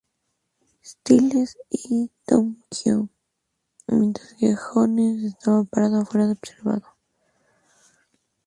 Styles y Tomko, mientras que Jones estaba parado afuera observando.